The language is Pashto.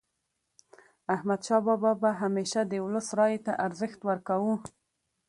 احمدشاه بابا به همیشه د ولس رایې ته ارزښت ورکاوه.